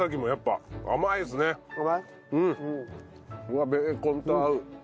うわっベーコンと合う。